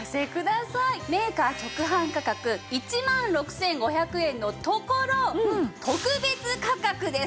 メーカー直販価格１万６５００円のところ特別価格です。